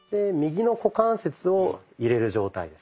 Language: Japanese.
右の股関節を入れる状態。